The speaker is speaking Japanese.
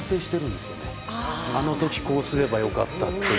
あの時こうすればよかったっていう。